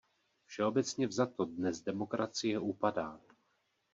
Všeobecně vzato dnes demokracie upadá.